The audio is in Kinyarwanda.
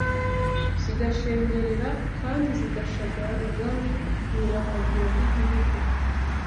zigashengerera kandi zigashagara umwami mu irambagira r’igihugu